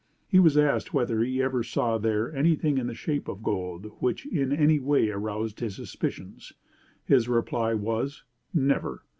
He was asked whether he ever saw there anything in the shape of gold which in any way aroused his suspicions? His reply was: "Never.